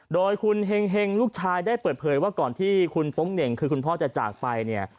โดยคุณเฮงลูกชายได้เปิดเผยว่าก่อนที่คุณโป๊งเหน่งคือคุณพ่อจะจากไปเนี่ย